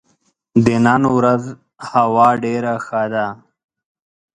د نن ورځ هوا ډېره ښه ده.